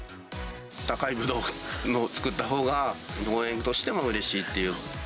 高いブドウを作ったほうが農園としてもうれしいっていう。